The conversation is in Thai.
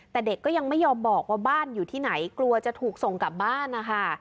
แต่เด็กก็ยังไม่ยอมบอกว่าบ้านอยู่ที่ไหนกลัวจะถูกส่งกลับบ้านนะคะ